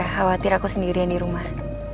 khawatir aku sendirian di rumah